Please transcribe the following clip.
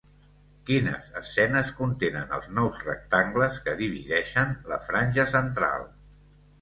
Quines escenes contenen els nous rectangles que divideixen la franja central?